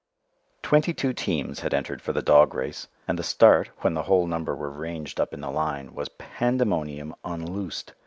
Twenty two teams had entered for the dog race, and the start, when the whole number were ranged up in the line, was pandemonium unloosed.